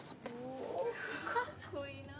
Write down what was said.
おかっこいいなぁ。